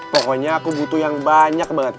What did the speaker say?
pokoknya aku butuh yang banyak banget